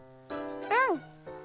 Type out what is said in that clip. うん！